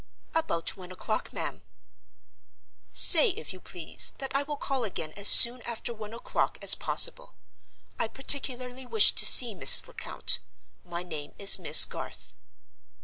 "About one o'clock, ma'am." "Say, if you please, that I will call again as soon after one o'clock as possible. I particularly wish to see Mrs. Lecount. My name is Miss Garth."